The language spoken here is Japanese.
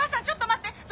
ちょっと待って！